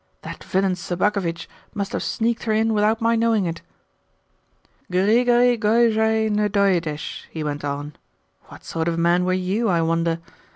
That villain Sobakevitch must have sneaked her in without my knowing it." "'Grigori Goiezhai ne Doiedesh,'" he went on. "What sort of a man were YOU, I wonder?